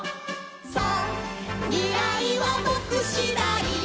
「そうみらいはぼくしだい」